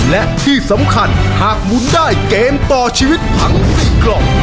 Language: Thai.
และที่สำคัญหากหมุนได้เกมต่อชีวิตทั้ง๔กล่อง